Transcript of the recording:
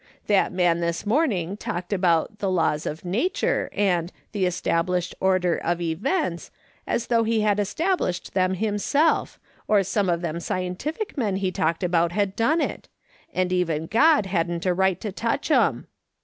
that man this morning talked about ' the laws of nature' and 'the established order of events' as though he had established them himself, or some of them scientific men he talked about had done it, and even God hadn't a right to touch 'em.